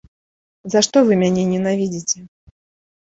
За што вы мяне ненавідзіце?